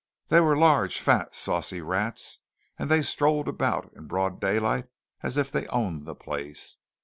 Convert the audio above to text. They were large, fat, saucy rats; and they strolled about in broad daylight as if they owned the place.